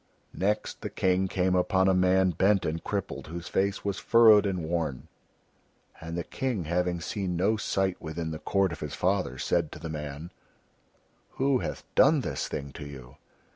Next the King came upon a man bent and crippled, whose face was furrowed and worn, and the King having seen no such sight within the court of his father said to the man: "Who hath done this thing to you?"